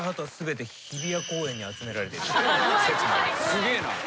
すげえな。